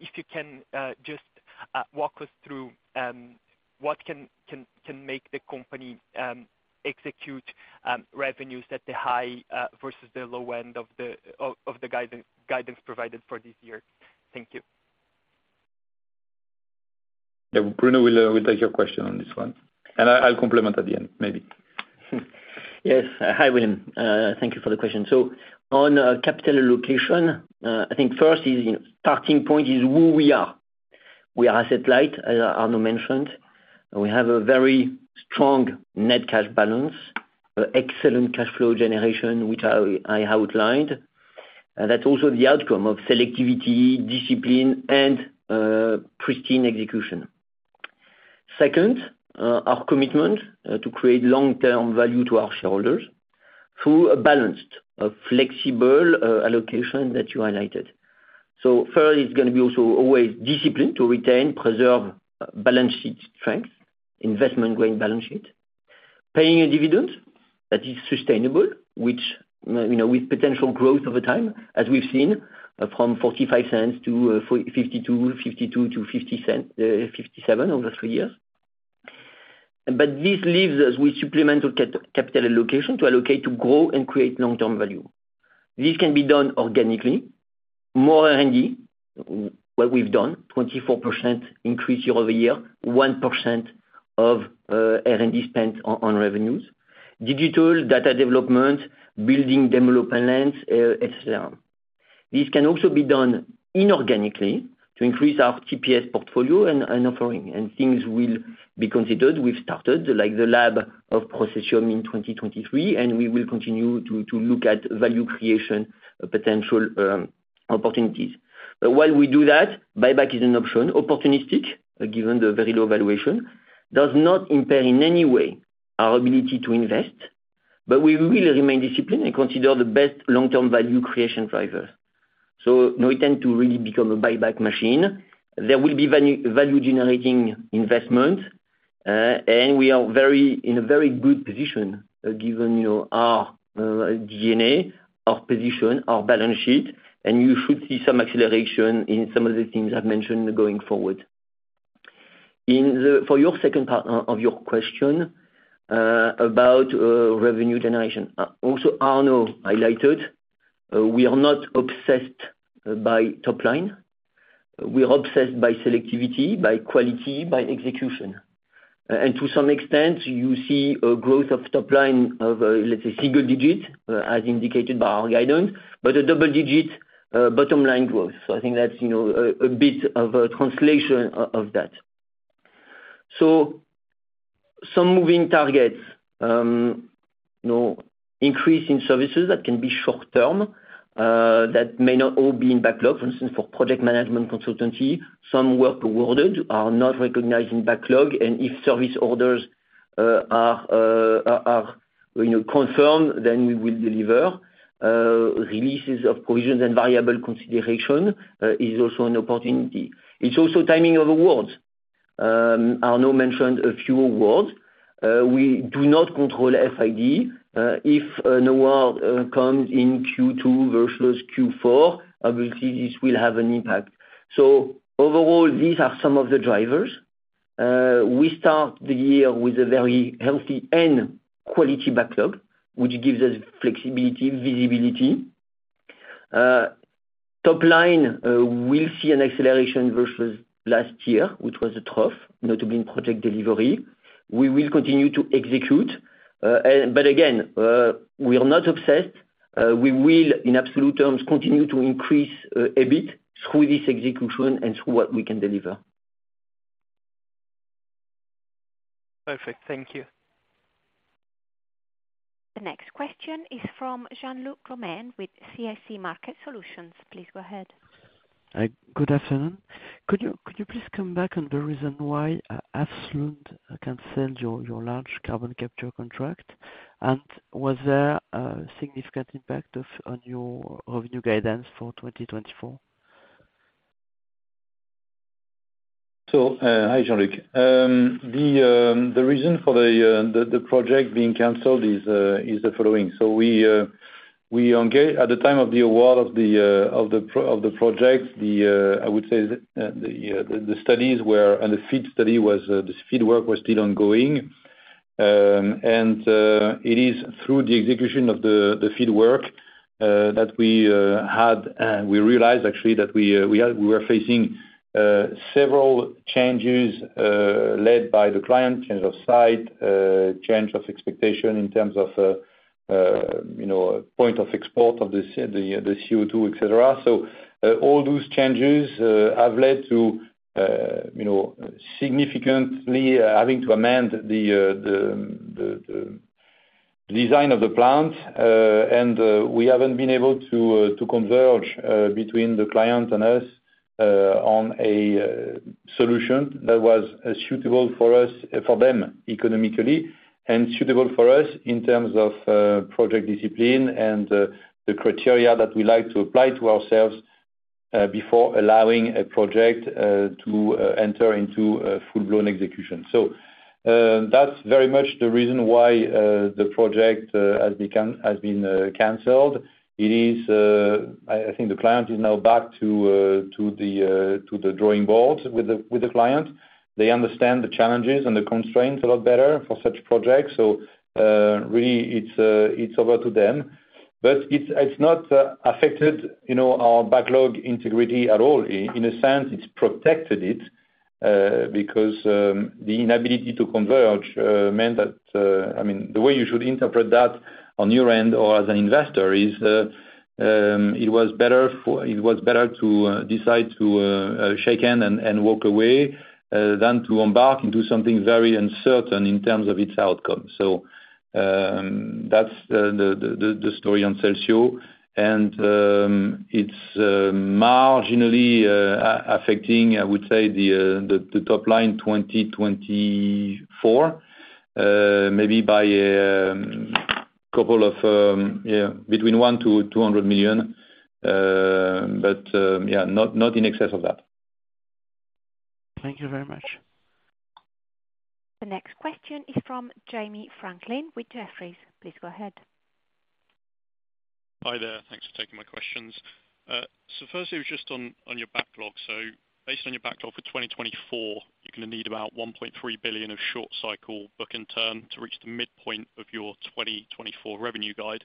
if you can just walk us through what can make the company execute revenues at the high versus the low end of the guidance provided for this year. Thank you. Bruno will take your question on this one. I'll complement at the end, maybe. Yes. Hi, William. Thank you for the question. So on capital allocation, I think first starting point is who we are. We are asset light, as Arno mentioned. We have a very strong net cash balance, excellent cash flow generation, which I outlined. That's also the outcome of selectivity, discipline, and pristine execution. Second, our commitment to create long-term value to our shareholders through a balanced, flexible allocation that you highlighted. So first, it's going to be also always discipline to retain, preserve balance sheet strength, investment-grade balance sheet, paying a dividend that is sustainable, which with potential growth over time, as we've seen, from €0.45 to €0.52, €0.52 to €0.57 over three years. But this leaves us with supplemental capital allocation to allocate to grow and create long-term value. This can be done organically, more R&D, what we've done, 24% increase year-over-year, 1% of R&D spent on revenues, digital data development, building development lands, etc. This can also be done inorganically to increase our TPS portfolio and offering. Things will be considered. We've started the Processium in 2023, and we will continue to look at value creation potential opportunities. While we do that, buyback is an option, opportunistic, given the very low valuation, does not impair in any way our ability to invest. We will remain disciplined and consider the best long-term value creation drivers. We tend to really become a buyback machine. There will be value-generating investments. We are in a very good position given our DNA, our position, our balance sheet. You should see some acceleration in some of the things I've mentioned going forward. For your second part of your question about revenue generation, also, Arno highlighted, we are not obsessed by top line. We are obsessed by selectivity, by quality, by execution. And to some extent, you see a growth of top line of, let's say, single-digit as indicated by our guidance, but a double-digit bottom line growth. So I think that's a bit of a translation of that. So some moving targets, increase in services that can be short-term, that may not all be in backlog. For instance, for project management consultancy, some work awarded are not recognized in backlog. And if service orders are confirmed, then we will deliver. Releases of provisions and variable consideration is also an opportunity. It's also timing of awards. Arno mentioned a few awards. We do not control FID. If an award comes in Q2 versus Q4, obviously, this will have an impact. So overall, these are some of the drivers. We start the year with a very healthy end quality backlog, which gives us flexibility, visibility. Top line, we'll see an acceleration versus last year, which was a trough, notably in project delivery. We will continue to execute. But again, we are not obsessed. We will, in absolute terms, continue to increase a bit through this execution and through what we can deliver. Perfect. Thank you. The next question is from Jean-Luc Romain with CIC Market Solutions. Please go ahead. Good afternoon. Could you please come back on the reason why Hafslund canceled your large carbon capture contract? And was there a significant impact on your revenue guidance for 2024? So hi, Jean-Luc. The reason for the project being canceled is the following. So at the time of the award of the project, I would say the studies were and the FEED study was the FEED work was still ongoing. And it is through the execution of the FEED work that we realized, actually, that we were facing several changes led by the client, change of site, change of expectation in terms of point of export of the CO2, etc. So all those changes have led to significantly having to amend the design of the plant. And we haven't been able to converge between the client and us on a solution that was suitable for them, economically, and suitable for us in terms of project discipline and the criteria that we like to apply to ourselves before allowing a project to enter into full-blown execution. So that's very much the reason why the project has been canceled. I think the client is now back to the drawing board with the client. They understand the challenges and the constraints a lot better for such projects. So really, it's over to them. But it's not affected our backlog integrity at all. In a sense, it's protected it because the inability to converge meant that I mean, the way you should interpret that on your end or as an investor is it was better to decide to shake hands and walk away than to embark into something very uncertain in terms of its outcome. So that's the story on Celsio. And it's marginally affecting, I would say, the top line 2024, maybe by a couple of between 1 million-200 million. But yeah, not in excess of that. Thank you very much. The next question is from Jamie Franklin with Jefferies. Please go ahead. Hi there. Thanks for taking my questions. So firstly, it was just on your backlog. So based on your backlog for 2024, you're going to need about 1.3 billion of short-cycle book-to-bill to reach the midpoint of your 2024 revenue guide.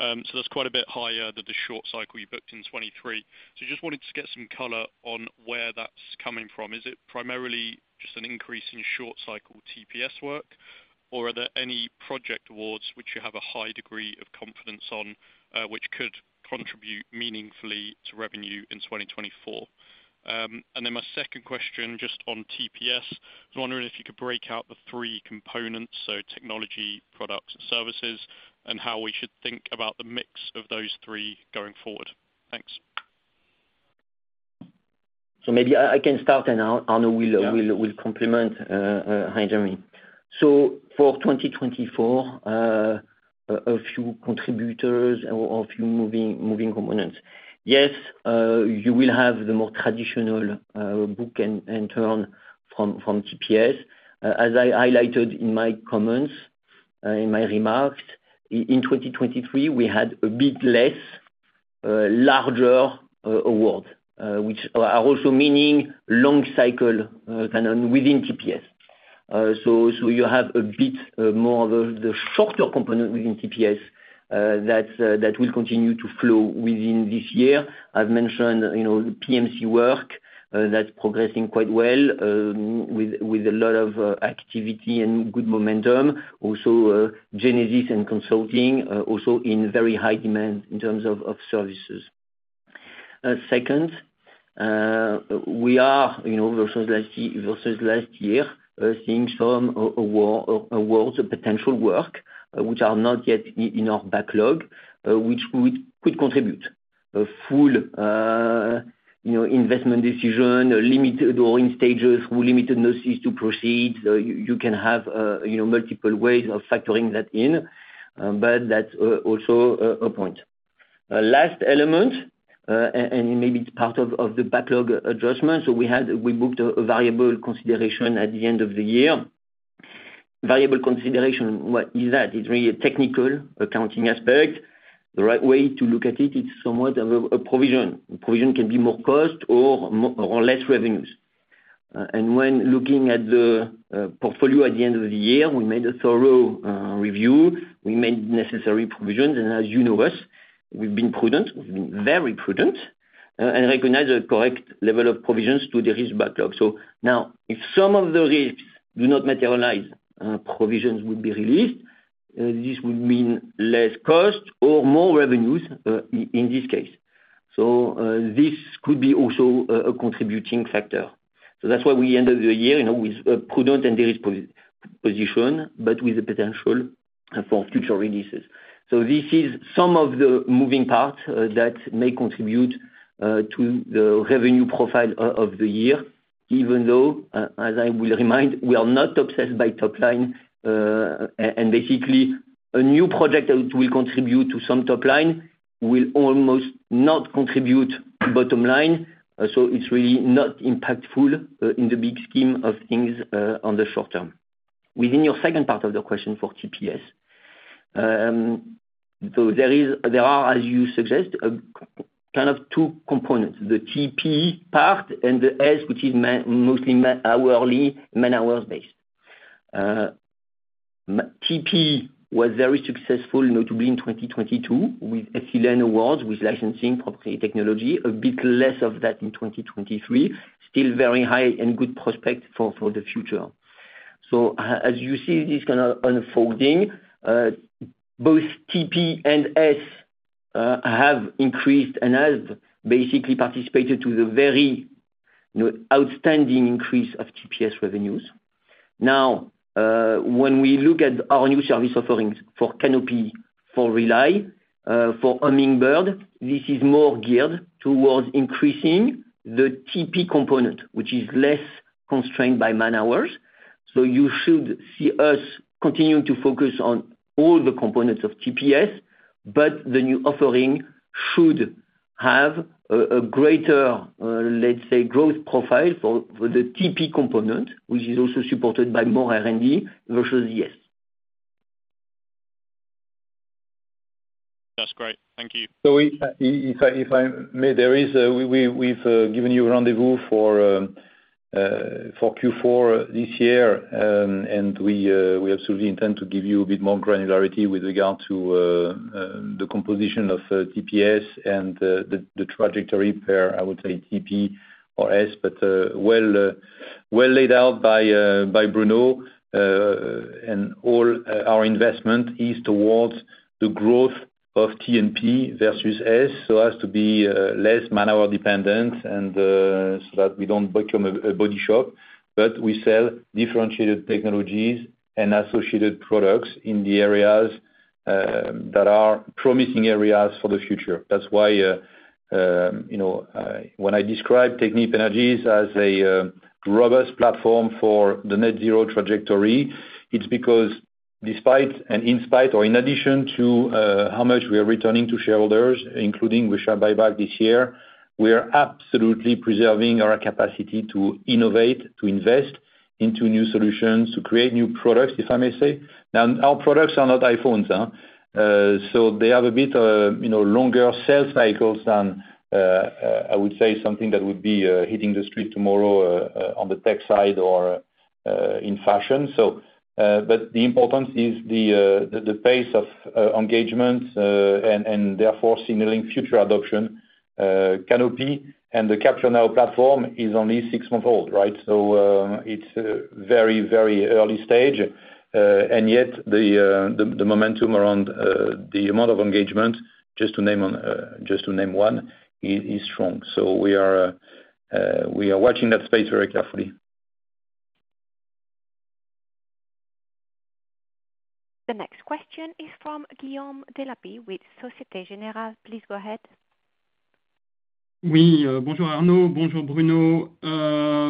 So that's quite a bit higher than the short cycle you booked in 2023. So I just wanted to get some color on where that's coming from. Is it primarily just an increase in short-cycle TPS work? Or are there any project awards which you have a high degree of confidence on which could contribute meaningfully to revenue in 2024? And then my second question just on TPS, I was wondering if you could break out the three components, so technology, products, and services, and how we should think about the mix of those three going forward. Thanks. So maybe I can start, and Arno will complement. Hi, Jamie. So for 2024, a few contributors or a few moving components. Yes, you will have the more traditional book-to-bill from TPS. As I highlighted in my comments, in my remarks, in 2023, we had a bit less larger awards, which also means long-cycle content within TPS. So you have a bit more of the shorter component within TPS that will continue to flow within this year. I've mentioned the PMC work that's progressing quite well with a lot of activity and good momentum, also Genesis and consulting, also in very high demand in terms of services. Second, we are versus last year seeing some awards, potential work, which are not yet in our backlog, which could contribute. Final investment decision, limited or in stages through limited notices to proceed. You can have multiple ways of factoring that in. But that's also a point. Last element, and maybe it's part of the backlog adjustment, so we booked a variable consideration at the end of the year. Variable consideration, what is that? It's really a technical accounting aspect. The right way to look at it, it's somewhat of a provision. Provision can be more cost or less revenues. And when looking at the portfolio at the end of the year, we made a thorough review. We made necessary provisions. And as you know us, we've been prudent. We've been very prudent and recognized a correct level of provisions to the risk backlog. So now, if some of the risks do not materialize, provisions would be released. This would mean less cost or more revenues in this case. So this could be also a contributing factor. So that's why we ended the year with a prudent and low-risk position, but with the potential for future releases. So this is some of the moving parts that may contribute to the revenue profile of the year, even though, as I will remind, we are not obsessed by top line. And basically, a new project that will contribute to some top line will almost not contribute to bottom line. So it's really not impactful in the big scheme of things on the short term. Within your second part of the question for TPS, so there are, as you suggest, kind of two components, the TP part and the S, which is mostly man-hours based. TP was very successful, notably in 2022, with ethylene awards with licensing proprietary technology. A bit less of that in 2023, still very high and good prospects for the future. So as you see this kind of unfolding, both TP and S have increased and have basically participated to the very outstanding increase of TPS revenues. Now, when we look at our new service offerings for Canopy, for Rely, for Hummingbird, this is more geared towards increasing the TP component, which is less constrained by man-hours. So you should see us continuing to focus on all the components of TPS. But the new offering should have a greater, let's say, growth profile for the TP component, which is also supported by more R&D versus the S. That's great. Thank you. So if I may, there, we've given you a rendezvous for Q4 this year. And we absolutely intend to give you a bit more granularity with regard to the composition of TPS and the trajectory pair, I would say, TPS but well laid out by Bruno. And all our investment is towards the growth of TPS versus S, so as to be less man-hour dependent and so that we don't become a body shop. But we sell differentiated technologies and associated products in the areas that are promising areas for the future. That's why when I describe Technip Energies as a robust platform for the net-zero trajectory, it's because despite and in spite or in addition to how much we are returning to shareholders, including we shall buy back this year, we are absolutely preserving our capacity to innovate, to invest into new solutions, to create new products, if I may say. Now, our products are not iPhones. So they have a bit longer sell cycles than, I would say, something that would be hitting the street tomorrow on the tech side or in fashion. But the importance is the pace of engagement and therefore signaling future adoption. Canopy and the Capture.Now platform is only six months old, right? So it's a very, very early stage. And yet, the momentum around the amount of engagement, just to name one, is strong. So we are watching that space very carefully. The next question is from Guillaume Delaby with Société Générale. Please go ahead. Oui. Bonjour, Arnaud. Bonjour, Bruno.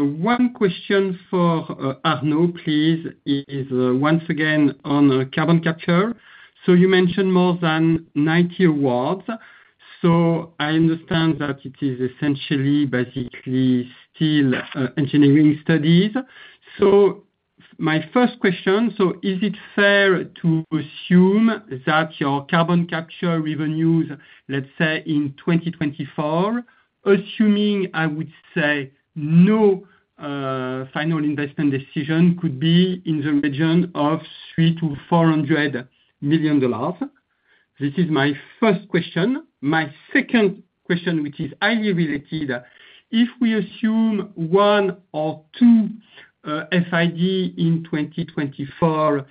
One question for Arnaud, please, is once again on carbon capture. So you mentioned more than 90 awards. So I understand that it is essentially, basically, still engineering studies. So my first question, so is it fair to assume that your carbon capture revenues, let's say, in 2024, assuming I would say no final investment decision, could be in the region of $3 million-$400 million? This is my first question. My second question, which is highly related, if we assume 1 or 2 FID in 2024,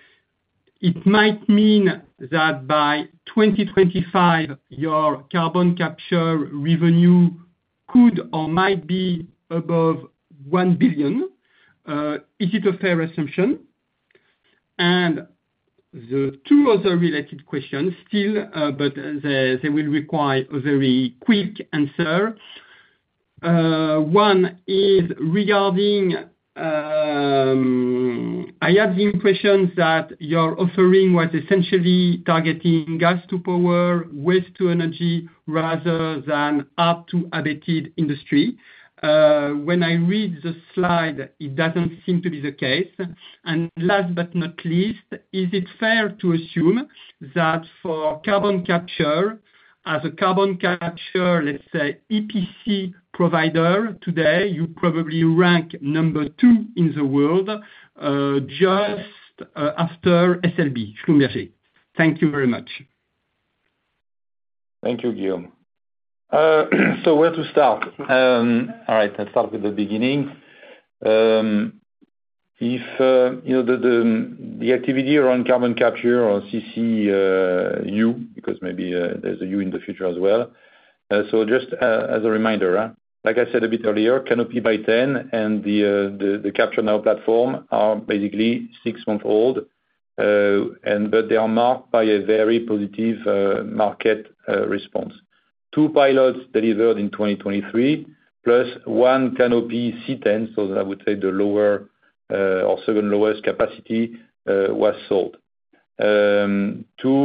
it might mean that by 2025, your carbon capture revenue could or might be above $1 billion. Is it a fair assumption? And the two other related questions, still, but they will require a very quick answer. One is regarding. I had the impression that your offering was essentially targeting gas-to-power, waste-to-energy, rather than hard-to-abate industry. When I read the slide, it doesn't seem to be the case. Last but not least, is it fair to assume that for carbon capture, as a carbon capture, let's say, EPC provider today, you probably rank number two in the world just after SLB, Schlumberger? Thank you very much. Thank you, Guillaume. So where to start? All right. Let's start with the beginning. If the activity around carbon capture or CCU, because maybe there's a U in the future as well. So just as a reminder, like I said a bit earlier, Canopy by T.EN and the CaptureNow platform are basically six months old. But they are marked by a very positive market response. two pilots delivered in 2023, plus one Canopy C10, so I would say the lower or second lowest capacity was sold. two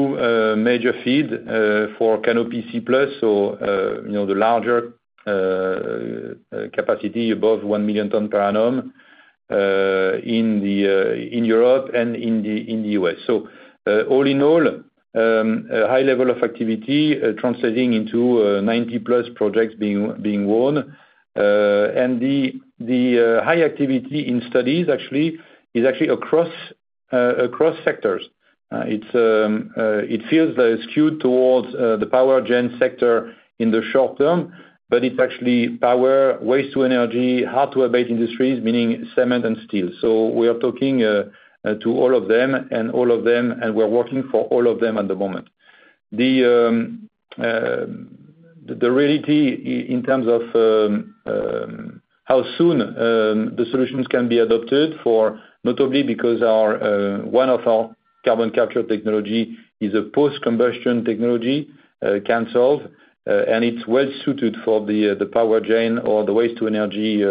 major FEEDs for Canopy C+, so the larger capacity above 1 million tonnes per annum in Europe and in the US. So all in all, a high level of activity translating into 90+ projects being won. And the high activity in studies, actually, is actually across sectors. It feels skewed towards the power gen sector in the short term. But it's actually power, waste-to-energy, hard-to-abate industries, meaning cement and steel. So we are talking to all of them and all of them, and we're working for all of them at the moment. The reality in terms of how soon the solutions can be adopted for, notably because one of our carbon capture technology is a post-combustion technology called Cansolv. And it's well suited for the power gen or the waste-to-energy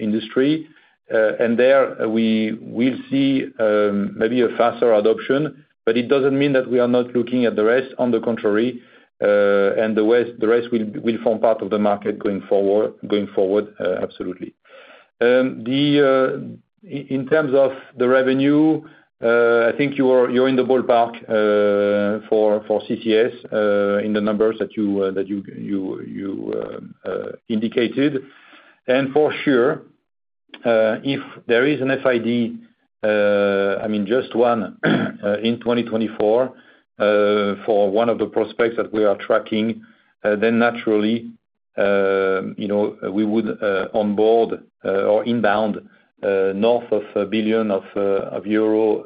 industry. And there, we will see maybe a faster adoption. But it doesn't mean that we are not looking at the rest. On the contrary. And the rest will form part of the market going forward, absolutely. In terms of the revenue, I think you're in the ballpark for CCS in the numbers that you indicated. For sure, if there is an FID, I mean, just 1 in 2024 for 1 of the prospects that we are tracking, then naturally, we would onboard or inbound north of 1 billion euro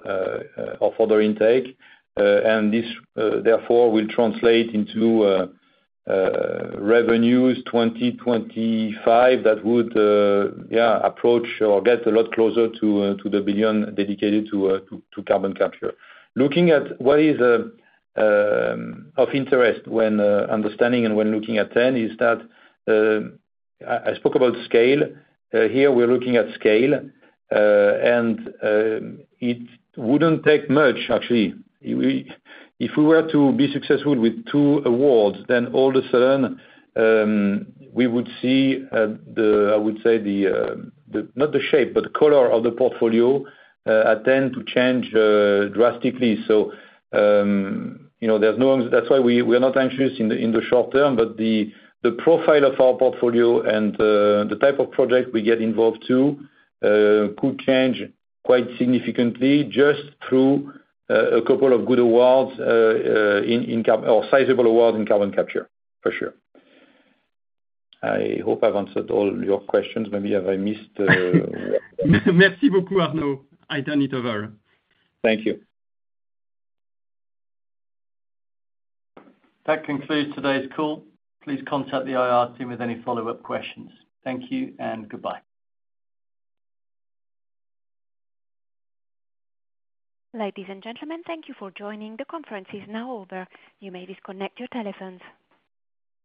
of other intake. And this, therefore, will translate into revenues 2025 that would, yeah, approach or get a lot closer to the 1 billion dedicated to carbon capture. Looking at what is of interest when understanding and when looking at T.EN is that I spoke about scale. Here, we're looking at scale. And it wouldn't take much, actually. If we were to be successful with 2 awards, then all of a sudden, we would see, I would say, not the shape, but the color of the portfolio at T.EN to change drastically. So there's no, that's why we are not anxious in the short term. But the profile of our portfolio and the type of project we get involved in could change quite significantly just through a couple of good awards or sizable awards in carbon capture, for sure. I hope I've answered all your questions. Maybe have I missed? Merci beaucoup, Arnaud. I turn it over. Thank you. That concludes today's call. Please contact the IR team with any follow-up questions. Thank you and goodbye. Ladies and gentlemen, thank you for joining. The conference is now over. You may disconnect your telephones.